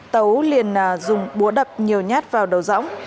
tấu liền dùng búa đập nhiều nhát vào đầu rỗng